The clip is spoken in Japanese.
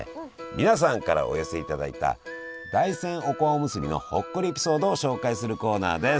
皆さんからお寄せいただいた大山おこわおむすびのほっこりエピソードを紹介するコーナーです！